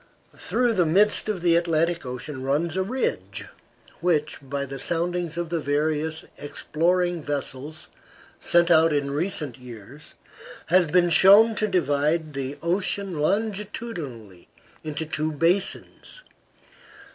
Through the midst of the Atlantic Ocean runs a ridge, which, by the soundings of the various exploring vessels sent out in recent years, has been shown to divide the ocean longitudinally into two basins.